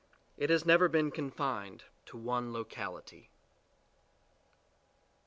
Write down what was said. It has never been confined to one locality.